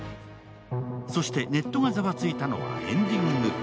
そして、ネットがざわついたのはエンディング。